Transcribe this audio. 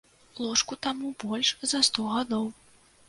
Ложку таму больш за сто гадоў.